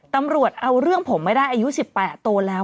ตำรวจเอาเรื่องผมไม่ได้อายุ๑๘โตแล้ว